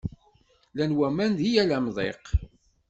Llan waman deg yal amḍiq.